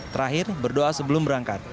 terakhir berdoa sebelum berangkat